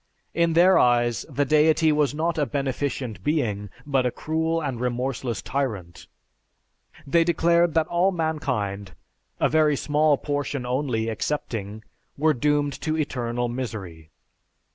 In their eyes the Deity was not a Beneficent Being, but a cruel and remorseless tyrant. They declared that all mankind, a very small portion only excepting, were doomed to eternal misery.